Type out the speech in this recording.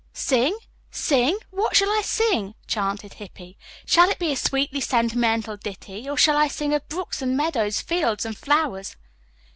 "'Sing, sing, what shall I sing?'" chanted Hippy. "Shall it be a sweetly sentimental ditty, or shall I sing of brooks and meadows, fields and flowers?"